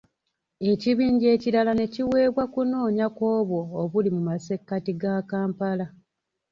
Ekibinja ekirala ne kiweebwa kunoonya ku obwo obuli mu masekkati ga Kampala.